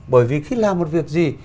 bởi vì khi làm một việc gì